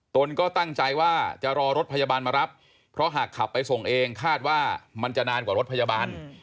ตนก็ตั้งใจว่าจะรอรถพยาบาลมารับเพราะหากขับไปส่งเองคาดว่ามันจะนานกว่ารถพยาบาล